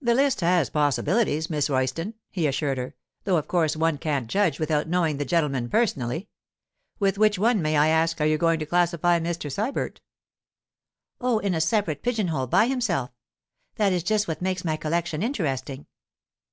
'The list has possibilities, Miss Royston,' he assured her, 'though of course one can't judge without knowing the gentlemen personally. With which one, may I ask, are you going to classify Mr. Sybert?' 'Oh, in a separate pigeonhole by himself. That is just what makes my collection interesting.